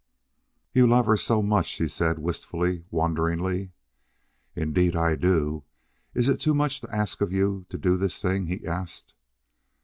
"You love her so much," she said, wistfully, wonderingly. "Indeed I do. Is it too much to ask of you to do this thing?" he asked.